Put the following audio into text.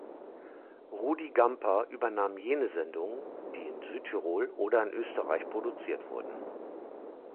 Rudi Gamper übernahm jene Sendungen, die in Südtirol oder in Österreich produziert wurden.